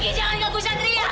dewi pergi jangan ngaku satria